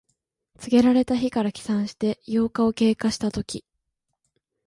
告げられた日から起算して八日を経過したとき。